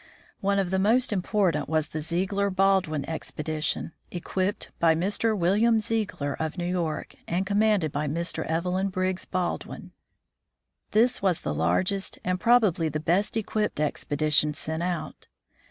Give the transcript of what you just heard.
One of the most important was the Ziegler Baldwin expedition, equipped by Mr. William Ziegler of New York, and commanded by Mr. Evelyn Briggs Baldwin. This was the largest and probably the best equipped expedition sent out.